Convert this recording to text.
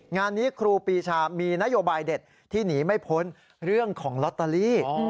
งานนี้ครูปีชามีนโยบายเด็ดที่หนีไม่พ้นเรื่องของลอตเตอรี่